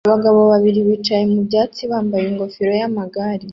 Abagabo babiri bicaye mu byatsi bambaye ingofero yamagare